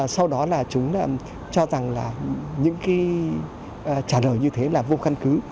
sau đó là chúng cho rằng là những cái trả lời như thế là vô căn cứ